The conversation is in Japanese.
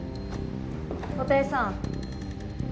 布袋さん。